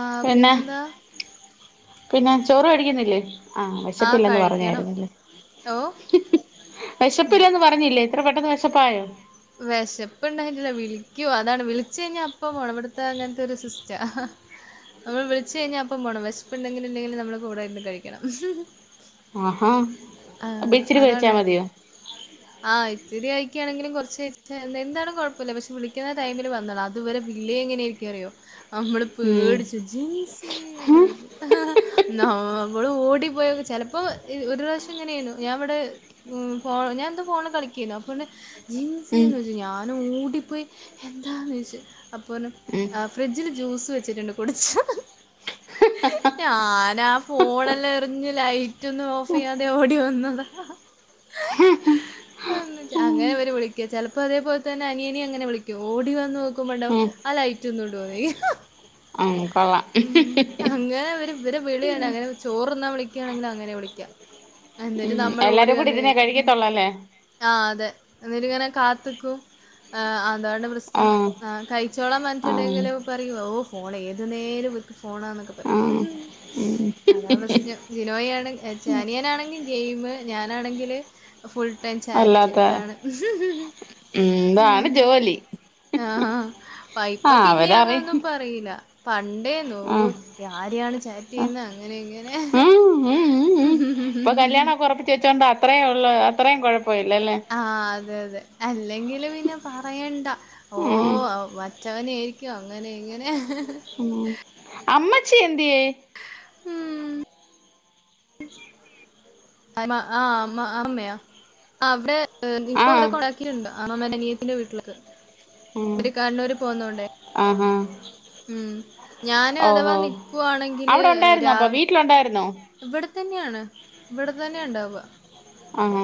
ആഹ് പിന്നെ പിന്നെന്താ? പിന്നെ ചോറ് കഴിക്കുന്നില്ലേ? ആഹ് ആ, വിശപ്പില്ലന്ന് കഴിക്കണം. പറഞ്ഞായിരുന്നല്ലേ ഓ! വിശപ്പില്ലന്ന് പറ പറഞ്ഞില്ലേ ഇത്ര പെട്ടെന്ന് വെശപ്പായോ? വെശപ്പുണ്ടായിട്ടല്ല വിളിക്കു അതാണ് വിളിച്ചു കഴിഞ്ഞാ അപ്പ പോണം ഇവിടുത്തെ അങ്ങനത്തെ ഒരു സിസ്റ്റ. നമ്മൾ വിളിച്ചു കഴിഞ്ഞാ അപ്പം പോണം വിശപ്പ് ഉണ്ടെങ്കിലും ഇല്ലേങ്കിലും നമ്മുടെ കൂടെ ഇരുന്ന് കഴിക്കണം. ആഹാ ആഹ് അബിച്ചിരി അതാണ് കഴിച്ചാ ഇവിടെ മതിയ ആഹ് ഇത്തിരി കഴിക്കുകയാണെങ്കിലും കുറച്ച് എന്താണ് കുഴപ്പമില്ല പക്ഷെ വിളിക്കുന്ന ടൈമില് വന്നോളാം അതുവരെ വില്ലിയ എങ്ങനെയ ആയിരിക്കും റിയോ നമ്മള് ഉം പേടിച് ജിൻസി ന്ന്ളിക്കും നമ്മള് ഓടിപ്പോയൊ ചിലപ്പോ ഒരു പ്രാവശ്യം ഇങ്ങനെയായിരുന്നു ഞൻവിടെ ഞാൻ എന്താ ഫോണിൽ കളിക്കായിരുന്നു അപ്പോണ്ട് ഉം ജീൻസിന്ന് വെദച്ചു ഞാൻ ഓടിപ്പോയി എന്താെന്ന് ചോദിച്ച് അപ്പോണ്ട് ഉം ഫ്രിഡ്ജില് ജ്യൂസ് വെച്ചിട്ടുണ്ട് കുടിചോന്ന് ഞാനാ ഫോണെല്ലാം എറിഞ്ഞ് ലൈറ്റന്നും ഓഫ് ചെയ്യാതെ ഓടി വന്നത് അങ്ങനെ അവര് വിളിക്ക ചിലപ്പോ അതേപോലെ തന്നെ അനിയന അങ്ങനെ വിളിക്ക ഓടി വന്ന് നോക്കുമ്പോണ്ടവും ഉം ആ ലൈറ്റ് ഒന്നും ഇഡോന്നോയിക്കും ഉം കൊള്ളാം ഉ അങ്ങനെ ഇവര് ഇവരെ വിളി ആണ് അങ്ങനെ ചോറ്ന്നാ വിളിക്കുകയാണെങ്കിൽ അങ്ങനെ വിളിക്ക എന്നിട്ട് ഉം നമ്മൾ ഓടി എല്ലാരും കൂടി വന്ന് ഇരുന്നേ കേക്കും കഴിക്കത്തുള്ളല്ലേ ആഹ് അതെ എന്നിട്ട് ഇങ്ങനെ കാത്ത്ക്കും അതാണ് പ്രശ് ആ ശ്‍നം കഴിച്ചോള ആ പറഞ്ഞിട്ടണ്ടെങ്കിലും അ ഓ ഫോൺ ഏതു നേരംവക്ക് ഫോണാന്നൊക്കെ ആ പറയും അതാ പ്രശ്നം ജിനോയി ആണെ ചാനിയൻണെങ്കിൽ ഗെയിമ് ഞാനാണെങ്കില് ഫുൾ ടൈം ചാറ്റ് അല്ലാത്ത ഇതാണ് ഉം ഇതാണ് ജോലി ആഹ് അ ആ ഇപ്പൊ പിന്നെ അവരറിയും അങ്ങനൊന്നും പറയില്ല പണ്ട തോ ആ ആരെയാണ് ചാറ്റ് ചെയ്യുന്നത് അങ്ങനെ ഇങ്ങനെ ഉം ഉം ഉം ഉം ഇപ്പൊ കല്യാണക്കെ ഉറപ്പിച്ച വച്ചോണ്ട് അത്രേ ഉള്ള അത്രയും കുഴപ്പല്ലല്ലേ ആഹ് അതെ അതെ അല്ലെങ്കില് പിന്നെ പറയണ്ട ഓ ഉം വറ്റവനെയിരിക്കും അങ്ങനെ ഇങ്ങനെ ഉം അമ്മച്ചി എന്തേയ്‌ ആഹ് അമ്മ മ്മ്യ ആ അവിടെ ഹ് ഇപ്പൊ ഇവിടെ ആഹ് കൊഴക്കിലുണ്ട് അമ്മമ്മന്റ്നിയത്തിന്റെ വീട്ടിലേക്ക് ഇവര് കണ്ണൂര് പോകുന്നതൊണ്ടേ ആഹ് ഉം ഞാനും അഥവാ നിക്കുവാണെങ്കില് അവിടെ ഉണ്ടായിരുന്നോ രാ അപ്പൊ വീട്ടിലുണ്ടായിരുന്നോ ഇവിടെ തന്നെയാണ് ഇവിടെ തന്നെ ഉണ്ടാവ ആഹ്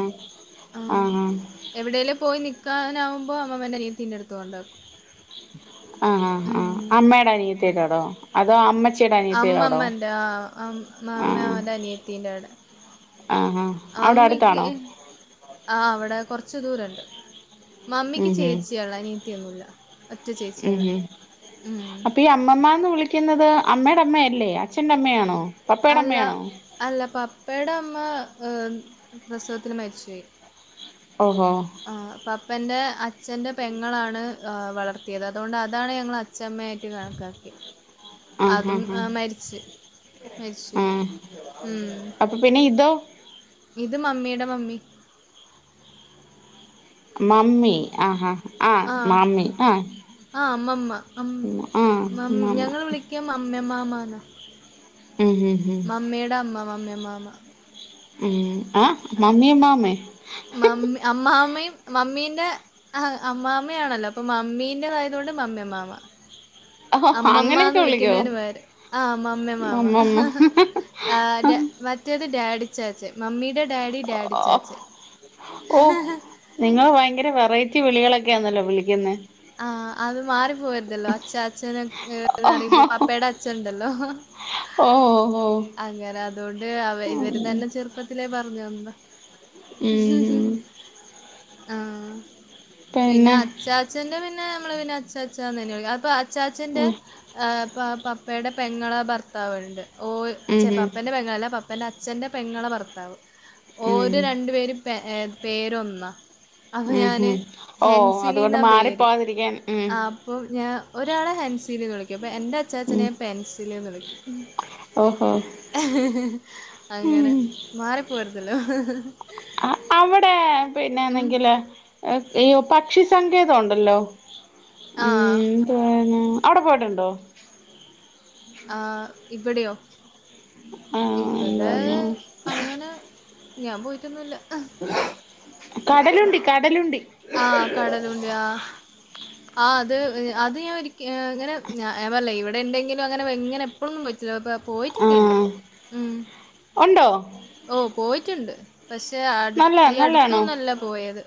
ആഹ് എവിടേങ്കും പോയി നിൽക്കാനാവകുമ്പ അമ്മൻ്റെനിയും തിന്നെടുത്ത് കൊണ്ടാക്കും ആഹ് ആഹ് ഉം ആഹ് അമ്മയുടെ അനിയത്തട്ടാടോ അതോ അമ്മച്ചീടെ അനിയത്തിടോടോ അമ്മമ്മന്റെ ആഹ് അം ആഹ് അമ്മമ്മേടെ അനിയത്തീന്റെ അവിടെ ആഹ് ഹ അവിടെ മമ്മിക്ക് അടുത്താണോ ആഹ് അവിടെ കുറച്ച ദൂരുണ്ട് ഉം മമ്മിക്ക് ഉം ചേച്ചിയള്ള അനീത്തിയൊന്നുമല്ല ഒറ്റ ചേച്ചിയാണ് ഉം അമ്മമാന്ന് വിളിക്കുന്നത് അമ്മടെ അമ്മയല്ലേ അച്ഛന്റെ അമ്മയാണോ പപ്പയുടെ അല്ല അമ്മയാണോ അല്ല പപ്പടെ അമ്മ പ്രസവത്തിൽ മരിച്ചുപൊയി ഓഹോ ആഹ് പപ്പന്റെ അച്ഛന്റെ പെങ്ങളാണ് വളർത്തിയത് അതുകൊണ്ട് അതാണ് ഞങ്ങ ചമ്മയായിട്ട് കണക്കാക്കി ആഹ് അതും ആഹ് ആഹ് മരിച്ച് മരിച്ചുപോയി. ആഹ് ഉം. അപ്പൊ പിന്നെ ഇതോ ഇത് മമ്മിടെ മമ്മി മമ്മി ആ ഹാ ആഹ് ആ. മാമി ആഹ് ആ അമ്മമ്മ. ആഹ് മാമ ക മംമ്മ മാമാമാണ് ഉം ഉം ഉം മമ്മിടെ അമ്മ മമ്മി മാമ ഉം ആഹ് മമി മാമേ മമ്മി അമ്മാ അമ്മയും മമ്മീന്റെ ആഹ് അമ്മാമ്മയാണല്ലോ അപ്പൊ മമ്മീന്റെ തായതുകൊണ്ട് മമ്മി അമ്മാ ഓ അങ്ങനെയൊക്കെ അമ്മമ്മന്ന് വിളിക്കോ വിളിക്കുന്നേന് പേര് ആഹ് മമ്മി മാമ മമ്മമ്മ ആഹ് മറ്റേത് ഡാഡി ചാച്ചെ മമ്മിയുടെ ഡാഡി ഡാഡി ഓ ചാച്ചെ നിങ്ങള് ഭയങ്കര വെറൈറ്റി വിളികളൊക്കെയ ആന്നല്ലോ വിളിക്കുന്നത് ആഹ് അത് മാറി പോയരതല്ലോ അച്ഛ അച്ഛന എന്താ പറ ഇ്പൊ പപ്പയുടെ അച്ഛൻണ്ടല്ലോ ഓഹ് ഓഹ് ഓഹ് അങ്ങനെ അതുകൊണ്ട് അവ ഇവര് തന്നെ ചെറുപ്പത്തിലേ പറഞ്ഞു തനതാ ഉം ആഹ് പിന്നെ അച്ചാ അച്ഛ്ന്റെ പിന്നെ നമ്മള് പിന്നെ അച്ചച്ചന്ന് തന്നെ വിളിക്കും അപ്പൊ അച്ചച്ചന്റെ ഉം പപ്പയുടെ പെങ്ങള ഭർത്താവ് ഉണ്ട് ഓ ഉം ച്ചോ പപ്പേന്റെ പെങ്ങളള അല്ല പപ്പന്റ അച്ച അച്ഛന്റെ പെങ്ങളുടെ ഭർത്താവ് ഉം ഓര് രണ്ടു പേരും പ പേര് ഒന്നാ അപ്പൊ ഉം ഞാന് ഉം ഓ അതുകൊണ്ട് ഹെൻസിലിന്നാ പേര് മാറിപ്പോവാതിരിക്കാൻ ഉം അപ്പം ഞാൻ ഒരാളെ ഹൻസിൽ വിളിക്കും അപ്പോ എന്റെ അ ഉം അച്ചാച്ചനെ പെൻസില് ന്ന് വിളിക്കും ഓഹോ അങ്ങനെ ഉം മാറിപ്പോവരത്തല്ലോ അവിടെ പിന്നെ എന്തെങ്കില അയ്യോ പക്ഷിസങ്കേതം ഉണ്ടല്ലോ ഉം ആഹ് എന്തവാന് അവിടെ പോയിട്ടുണ്ടോ ആഹ് ഇവിടെയോ ആഹ് ഇവിടെ എന്തുവാണ് അങ്ങനെ ഞാൻ പോയിട്ടൊന്നുമില്ല കടലുണ്ടി കടലുണ്ടി ആഹ് കടലുണ്ടി ആഹ് ആഹ് അത് അത് ഞാൻ ഒരിക്ക ഇങ്ങനെ ഞാൻ പറയല്ല ഇവിടെ എന്തെങ്കിലും അങ്ങനെ എങ്ങനെ ഇപ്പോഴൊന്നും പറ്റില്ലോ അപ്പ പോയിട്ടൊക്കെുണ്ട് ആഹ് ഉം ഉണ്ടോ ഓ പോയിട്ടുണ്ട് പക്ഷേ അടു നല്ല ഈ നല്ലാണോ അടുത്തൊന്നല്ല പോയത്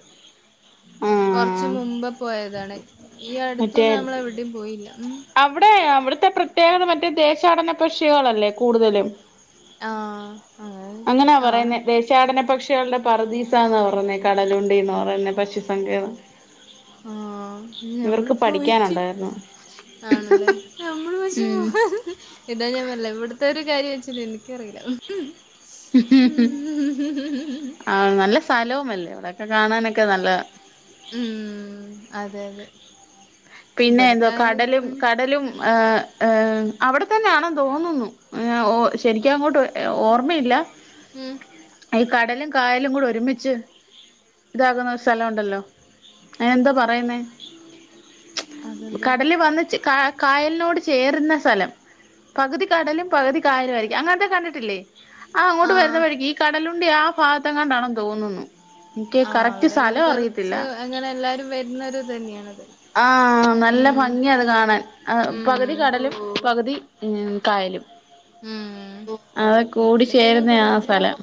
കുറച്ച് ആഹ് മുമ്പ് പോയതാണ് ഈ മറ്റേ അടുത്തൊന്നും നമ്മള് എവിടെേയും പോയില്ല അവിടെ അവിടുത്തെ പ്രത്യേകത മറ്റേ ദേശാടന പക്ഷികളല്ലേ കൂടുതലും ആ. അങ്ങനെ അങ്ങനാ ആണ്. പറയുന്നെ ദേശ ദേശാടന പക്ഷികളുടെ പറുദീസന്ന് പറയഞ്ഞേ കടലുണ്ടിന്ന് പറയുന്നെ പക്ഷി സങ്കേതം ആ നമ്മള് ഇവർക്ക് പോയിട്ടി പഠിക്കാനുണ്ടായിരുന്നു ആണല്ലേ നമ്മള് പക്ഷേ പോ ഇതാ ഞാൻ പറഞ്ഞില്ല ഇവിടുത്തെ ഒരു കാര്യം വെച്ചേ എനിക്കറിയില്ല ആ നല്ല സ്ഥലവല്ലേ ഇവിടെക്കെ കാണാനൊക്കെ നല്ലത ഉം അതെ അതെ പിന്നെ എന്തോ ഇവിടത്തെ ആള് കടലും ഉം കടലും ഏഹ് ഏഹ് അവിടെ തന്നെ ആണന് തോന്നുന്നു ശരിക്കും അങ്ങോട്ട് ഓർമ്മയില്ല ഉം ഈ കടലും കായലും കൂടെ ഒരുമിച്ച് ഇതകുന്ന സ്ഥലമുണ്ടല്ലോ അയ്ന് എന്താ പറയുന്നത് അതെന്താ കടല് വന്ന് ചേ കാ കായലിനോട് ചേരുന്ന സ്ഥലം പകുതി കടലും പകുതി കായലുയിരിക്കും അങ്ങനത്തെ കണ്ടിട്ടില്ലേ ആ അങ്ങോട്ട് വരുന്ന ആഹ് വഴിക്ക് ഈ കടലുണ്ടി ആ ഭാഗത്താന് തോന്നുന്നു എനിക്ക് ആഹ് കറക്റ്റ് അവിടെ സ്ഥലം അറിയത്തില്ല കൊറച്ച് അങ്ങനെ എല്ലാവരും വരുന്നെരു ഇത് തന്നെയാണ് അത് ആഹ് നല്ല ഭംഗിയത് കാണാൻ ആ പകുതി ഉം കടലും പകുതി ഉ കായലും ഉം അതുംകൂടി ഇവിടെ പിന്നെ ചേരുന്ന കൊറേ ആ ഇത് സ്ഥലം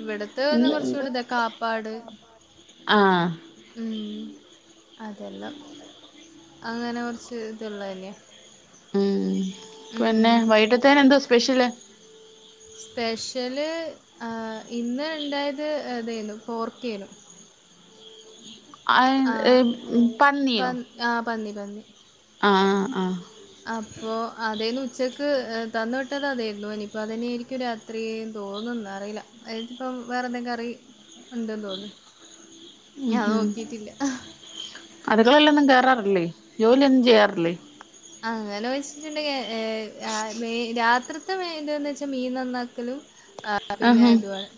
ഇവിടത്തെ വന്ന് കുറച്ച കൂടെ ഇതാ കാപ്പാട് ആഹ് അതെല്ലാം അങ്ങനെ കുറച്ച് ഇത് ഉള്ളത് അല്ലേ ഉം പിന്നെ വൈകിട്ടത്തേനെന്ത സ്പെഷ്യല് സ്പെഷ്യല് ഇന്ന് ഉണ്ടാക്കിയത് ഇതായിരുന്നു പോർക്ക എയ്നു അയെ [unintelligible] പന്നിയോ പന്നി ആഹ് പന്നി പന്നി ആഹ് ആഹ് ആഹ് അപ്പോ അതേന്ന് ഉച്ചക്ക് തന്ന് വിട്ടത് അതേയ്ര്ന്നു ഇനിപ്പോ അതെന്നേയിരിക്കും രാ ത്രിയും തോന്ന്ന്ന് അറീലാ ത്പ്പം വേറെ എന്തെങ്കി കറി ഉണ്ട് തോന്ന് ഉം ഉം അട്ക്കളേലൊന്നും കേറാറില്ലേ ജോലിയൊന്നും ചെയ്യാറില്ലേ അങ്ങെനാേയ്ച്ചിട്ടുണ്ടെങ്കി ഏഹ് അ മെയ് രാത്രിത്തെ മെയിന്‌ന്ന് വെച്ചാ മീൻ നന്നാക്കലും ആഹ് പിന്നെ തു ആണ്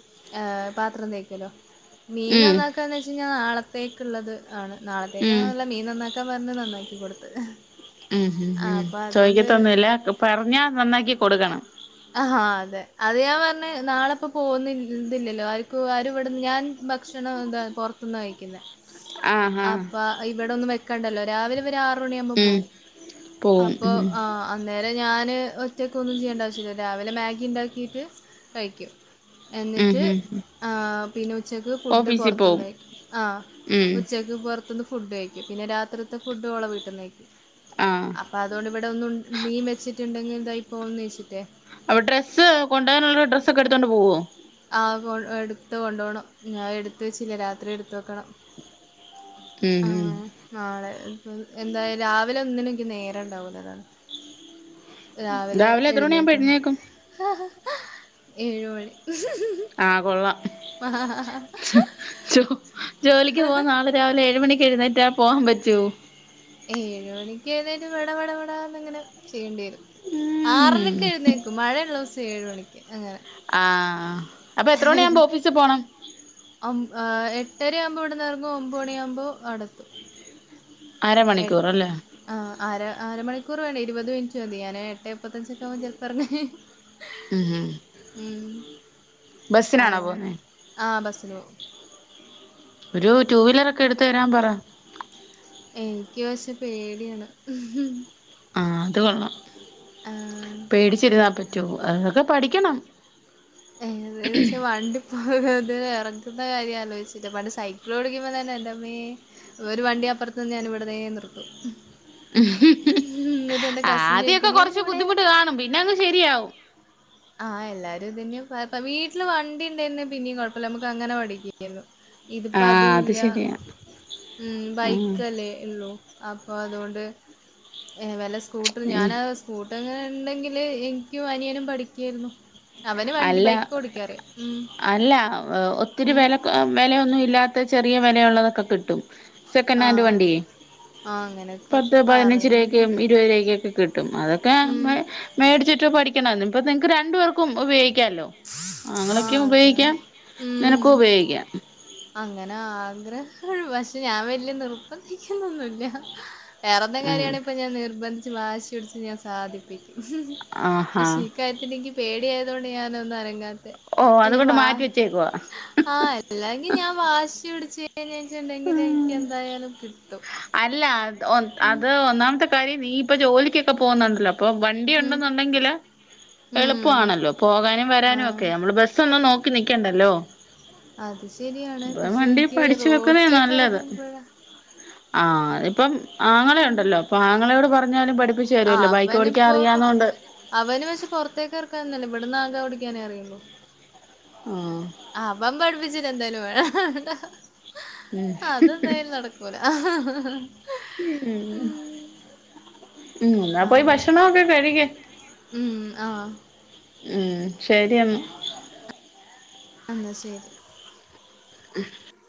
ഏഹ് പാത്രം തേക്കല്വാ മീൻ ഉം നന്നാ ക്കാന്ന് വെച്ചയ്ഞ്ഞാ നാളത്തേക്ക്ള്ളത് ആണ് ഉം ഉം നാളത്തേക്കാണ്ന്നല്ല മീൻ നന്നാക്കാൻ പർഞ്ഞ് നന്നാക്കി കൊട്ത്ത് ഉം ഹും ഉം ചോയ്ക്കത്തൊന്നുല്ല പറഞ്ഞാ നന്നാക്കി കൊട്ക്കണം ആഹാ അതെ അത് ഞാൻ പർഞ്ഞ് നാളെപ്പ പോവുന്ന് ഇത്‌ല്ലല്ലോ ആര്ക്കും ആര്‌വടെന്ന് ഞാൻ ഭക്ഷണം എന്താ പൊർത്ത്ന്നാ കഴിക്ക്ന്നേ ആഹ് ആഹ് അപ്പ ഇവിടെ ഒന്നും വെക്കണ്ടല്ലോ രാവിലെ ഇവരാ റ് മണ്യാവുമ്പം ഉം പോവും പോവും അപ്പാെ ഉം ആഹ് അന്നേരം ഞാന് ഒറ്റക്കാെന്നും ചെയ്യേണ്ട ആവശ്യല്ല രാവിലെ മാഗിണ്ടാക്കീട്ട് കഴിക്ക്യും ഉം എന്നിട്ട് ഉം ആഹ് പിന്നെ ഉച്ചക്ക് ഫുഡ് ഓഫീസിൽ പോവും പൊർത്ത്ന്ന് കഴിക്ക്യും ആഹ് ഉം ഉച്ച ക്ക് പാെർത്ത്ന്ന് ഫുഡ്ഡ് കഴിക്ക്യും പിന്നെ രാത്രിത്തെ ഫുഡ്ഡ് ഓളെ വീട്ടിന്ന് കഴിക്ക്യും ആഹ് അപ്പ അതോണ്ട് ഇവിടെ ഒന്നും മീൻ വെച്ചിട്ട്ണ്ടെങ്കിൽതായി പോവ്ന്ന് വെച്ചിട്ടേ അപ്പോ ഡ്രെസ്സ് കൊണ്ടാേവാന്ള്ള ഡ്രെസ്സൊക്കെ എട്ത്താേണ്ട് പോവോ ആഹ് കൊ എട്ത്ത് കൊണ്ടു പോണം ആഹ് എട്ത്ത് വെച്ചില്ല രാത്രി എട്ത്ത് വെക്കണം ഉം ഉം ആഹ് നാളെ പ്പം എന്തായാ രാവിലെ ഒന്നിനും ൻക്ക് നേരംണ്ടാവൂല അതാണ് രാവിലെ എത്രെ മണി ആകുമ്പം എഴ്ന്നേക്കും ഏഴ് മണി ആഹ് കൊള്ളാം ജെ ജോ ജോലിക്ക് പോവ്ന്ന ആള് രാവിലെ ഏഴ് മണിക്ക് എഴ്ന്നേറ്റാ പോവാം പറ്റോ ഏഴ് മണിക്ക് എഴുന്നേറ്റ് വെടവെടവെടാന്നങ്ങെനെ ചെയ്യേണ്ടി വെരും ഉം ആറരക്ക് എഴ്ന്നേക്കും മഴയുള്ളോസം ഏഴ് മണിക്ക് അങ്ങനെ ആഹ് അപ്പൊ എത്ര മണ്യാവുമ്പോ ഓഫീസി പോണം ഒം എട്ടെരയാവ്മ്പോ ഇവട്ന്നെറെങ്ങും ഒമ്പത് മണ്യാവുമ്പോ അവ്ടെത്തും അരമണിക്കൂർ അല്ലേ ആഹ് ആര അര മണിക്കൂർ വേണ്ടേ ഇരുപത് മിൻറ്റ് മതി ഞാന് എട്ടേ മുപ്പത്തഞ്ചൊക്കെ ആകും ചെൽപ്പെർങ്ങാന് ഉം ഉം ഉം ബസ്സിനാണോ അതെ പോവുന്നെ ആഹ് ബസ്സിന് പോവും ഒരു ടൂവീലറൊക്കെ എട്ത്ത് തെരാൻ പറാ എനിക്ക് പക്ഷെ പേട്യാണ് ആഹ് അത് കൊള്ളാം ആ പേടിച്ചിരുന്നാ പറ്റോ അതൊക്കെ പഠിക്കണം ഏ ത് ച്ചാ വണ്ടി അത് എറക്ക്ന്ന കാര്യം ആലോയ്ച്ചിട്ട് പണ്ട് സൈക്ക്ളോടിക്കുംമ്പ തന്നെ എൻ്റമ്മേ ഒര് വണ്ടി അപ്പർത്ത് നിന്നാ ഞാനിവിട്ന്നേ നിർത്തും എന്നിട്ട് എൻ്റെ കസിൻ ആദ്യാെക്കെ ചോദിക്കും നീ എന്തിനാ കൊർച്ച് ഇവിടെ ബുദ്ധിമുട്ട് കാണും പിന്നെ അങ്ങ് ശെരിയാവും ആഹ് എല്ലാരും ഇതെന്നെ പർ വീട്ടില് വണ്ടിണ്ടേയ്ര്ന്നെ പിന്നിം കൊഴപ്പല്ല മ്മക്ക് അങ്ങെനെ പഠിക്കാം [unintelligible] ആഹ് അത് ഇത്പ്പതൂല്ല ശരിയാ ഉം ആഹ് ബൈക്ക് അല്ലേ ഇള്ളൂ അപ്പ അത്കൊണ്ട് വെല്ല സ്കൂട്ട് റ് ഞാന ഏഹ് സ്കൂട്ടർങ്ങനെ ണ്ടെങ്കില് ഇൻക്കും അനിയനും പഠിക്കേര്ന്നു അല്ല അല്ലാ ഒ ഒത്തിരി ഉം. വെല വെലെയൊന്നും ഇല്ലാത്തെ ചെറിയ വെലയുള്ളതൊക്കെ കിട്ടും സെക്കനാൻഡ് ആഹ് വണ്ട്യേ ആഹ് അങ്ങനെയൊക്കെ പത്ത് പതിനഞ്ച് പറയുന്നു രുപയ്ക്ക് ഇരുപത് രൂപയ്ക്കാെക്കെ കിട്ടും അതൊക്കെ ഉം മേടിച്ചിട്ട് പഠിക്കണം ഇത് നിങ്ങൾക്ക് രണ്ടു പേർക്കും ഉപയോഗിക്ക ക്കല്ലോ ആങ്ങളൊക്കെ ആഹ് അതാണ് ഉപയോഗിക്കാം ഉം നിനക്കും ഉപയോഗിക്കാം അങ്ങനെ ആഗ്രഹ പക്ഷെ ഞാൻ വല്യ നിർബന്ധിക്കുന്നൊന്നുമില്ല വെറെന്തൻ ഉം കാര്യമാണകിലോ ഇപ്പോൾ ഞാൻ നിർന്ധിച്ച് വാശിപിടിച്ച് ഞാൻ സതിപ്പിക്കും ആഹാ പക്ഷേ ഈക്കാര്യത്തില് എനിക്ക് പേടിയായതുകൊണ്ട് ഞാനൊന്ന അനങ്ങാത്ത ഓ അത്ന അതുകൊണ്ട് വാ മാറ്റി വെച്ചേക്കുവാ ആഹ് അല്ലെങ്കിൽ ഞാൻ വാശി പിടച്ച് കഴിഞ്ഞച്ചുണ്ടെങ്കിൽ എനിക്ക് എന്തായാലും കിട്ടും അല്ല അത് ഒന്നാമത്തെ കാര്യം നീ ഇപ്പൊ ജോലിക്കൊക്കെ പോകുന്നുണ്ടല്ലോ അപ്പൊ ഉം വണ്ടിയുണ്ടാകിൽ ഉം എളുപ്പമണല്ലോ പോകാനും ആഹ് വരാനും ബസ്സ് ഒന്നും നോക്കി നിക്കണ്ടല്ലോ അത് ശരിയാണ് ഇപ്പം പക്ഷെ വണ്ടി എനിക്ക് പഠിച്ചു വെക്കുന്നേ റോഡിലേക്കെ നല്ലത് ഇറങ്ങുമ്പോഴാ ആഹ് ഇപ്പം ആങ്ങളെ ഉണ്ടല്ലോ അപ്പൊ ആങ്ങളയോട് പറഞ്ഞാലും പഠിപ്പിച്ച ആ പഠിപ്പിച്ച്തരുമല്ലോ ബൈക്ക് അവനിപ്പോ ഓടിക്കാൻറിയന്നോണ്ട് അവന് പക്ഷെ പുറത്തേക്ക് ഇറക്കാന്നല്ല ഇവിടന്ന് ഓടിക്കാനേ അറിയുള്ളൂ ആഹ് അവൻ പഠിപ്പിച്ചിട്ടന്തായാലും വേണ്ടോ ഉം അതെന്തായാലും നടകൂല [unintelligible] ഉം [unintelligible] ഉം ഇന്നാ ആ. പോയി ഭക്ഷണൊക്കെ കഴിക്കെ ഉം. ആ. ഉം ശരിയന്നാ എന്നാ ശരി ഉം